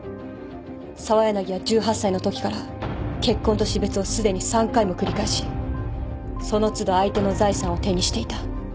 澤柳は１８歳のときから結婚と死別をすでに３回も繰り返しその都度相手の財産を手にしていた。